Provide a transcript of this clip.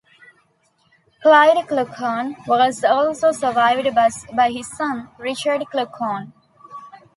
Clyde Kluckhohn was also survived by his son, Richard Kluckhohn.